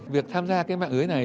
việc tham gia cái mạng ưới này